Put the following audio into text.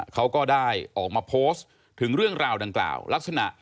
เขาก็ได้ออกมาโพสต์ถึงเรื่องราวดังกล่าวลักษณะ